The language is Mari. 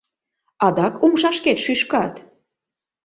— Адак умшашкет шӱшкат?!